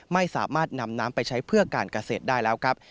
ไม่สามารถนำน้ำไปใช้เพื่อการเกษตรได้แล้วครับ